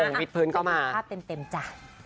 ปิดผงปิดพื้นเข้ามาภาพเต็มจ้ะ